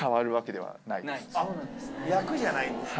役じゃないんですね。